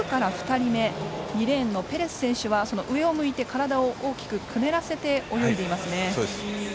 ２レーンのペレス選手は上を向いて、体を大きくくねらせて泳いでいますね。